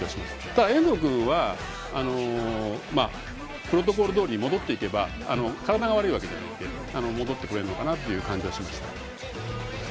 ただ、遠藤君はプロトコルどおりに戻っていけば体が悪いわけじゃないので戻ってこれるのかなという感じはしました。